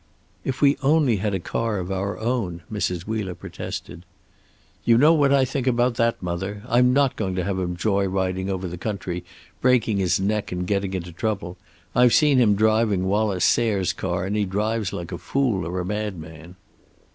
"If we only had a car of our own " Mrs. Wheeler protested. "You know what I think about that, mother. I'm not going to have him joy riding over the country, breaking his neck and getting into trouble. I've seen him driving Wallace Sayre's car, and he drives like a fool or a madman."